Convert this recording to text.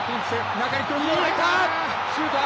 中に入った、シュートは。